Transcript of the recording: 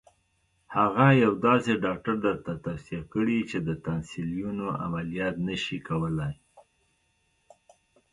هغه یو داسې ډاکټر درته توصیه کړي چې د تانسیلونو عملیات نه شي کولای.